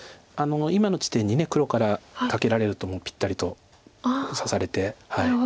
今の地点に黒からカケられるともうぴったりと刺されて。